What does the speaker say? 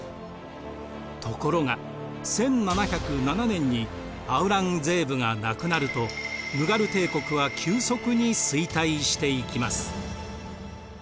ところが１７０７年にアウラングゼーブが亡くなるとムガル帝国は急速に衰退していきます。